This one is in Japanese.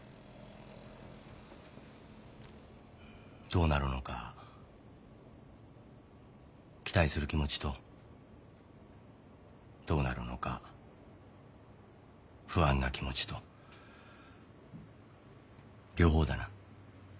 どうなるのか期待する気持ちとどうなるのか不安な気持ちと両方だな。